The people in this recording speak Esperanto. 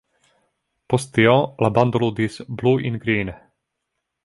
Post tio la bando ludis „Blue in Green”.